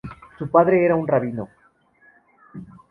Su padre era un rabino.